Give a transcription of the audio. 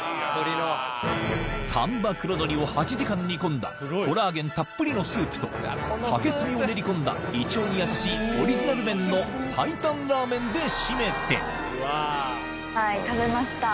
丹波黒どりを８時間煮込んだコラーゲンたっぷりのスープと竹炭を練り込んだ胃腸にやさしいオリジナル麺の白湯ラーメンで締めてはい食べました。